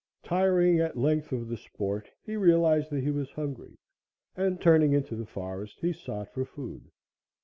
Tiring at length of the sport, he realized that he was hungry, and, turning into the forest, he sought for food.